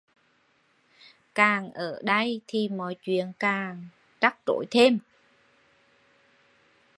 Càng ở đây thì mọi chuyện càng rắc rối thêm